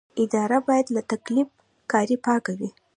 اداره باید له تقلب کارۍ پاکه وي.